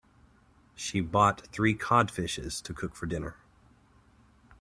She bought three cod fishes to cook for dinner.